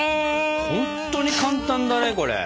ほんとに簡単だねこれ。